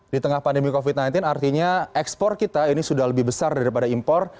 di tengah pandemi covid sembilan belas artinya ekspor kita ini sudah lebih besar daripada impor